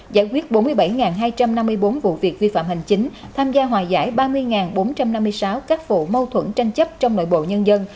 giải quyết bốn mươi bảy hai trăm năm mươi bốn vụ việc vi phạm hành chính tham gia hòa giải ba mươi bốn trăm năm mươi sáu các vụ mâu thuẫn tranh chấp trong nội bộ nhân dân